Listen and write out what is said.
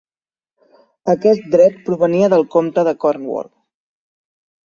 Aquest dret provenia del comte de Cornwall.